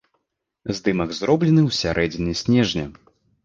Здымак зроблены ў сярэдзіне снежня.